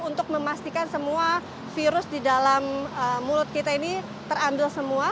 untuk memastikan semua virus di dalam mulut kita ini terandul semua